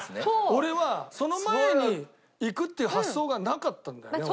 俺はその前に行くっていう発想がなかったんだよね俺。